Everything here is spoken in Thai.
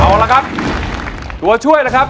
เอาละครับตัวช่วยนะครับ